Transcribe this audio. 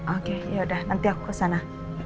oke yaudah nanti aku kesana